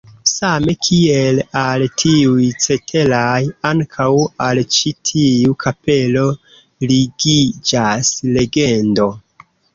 Same kiel al tiuj ceteraj, ankaŭ al ĉi tiu kapelo ligiĝas legendo.